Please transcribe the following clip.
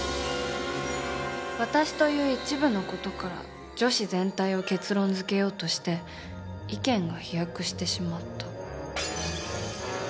「私」という一部の事から女子全体を結論づけようとして意見が飛躍してしまった。